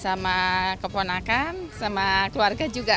sama keponakan sama keluarga juga